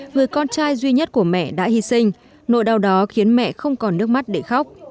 người con trai duy nhất của mẹ đã hy sinh nỗi đau đó khiến mẹ không còn nước mắt để khóc